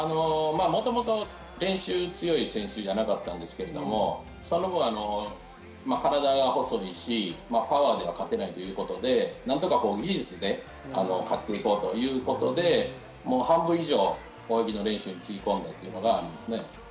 もともと練習に強い選手じゃなかったんですけど、体が細いしパワーでは勝てないということで、何とか技術で勝って行こうということで、半分以上、泳ぎの練習につぎ込んだ。